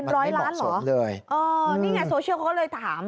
เป็นร้อยล้านเหรอมันไม่เหมาะสมเลยอ๋อนี่ไงโซเชียลเขาก็เลยถาม